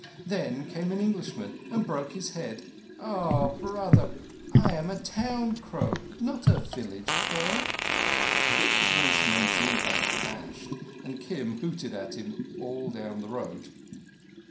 Then came an Englishman and broke his head. Ah, brother, I am a town crow, not a village crow!" The policeman drew back abashed, and Kim hooted at him all down the road.